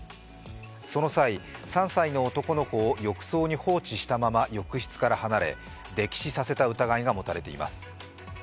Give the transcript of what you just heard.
その際、３歳の男の子を浴槽に放置したまま浴室から離れ溺死させた疑いが持たれています。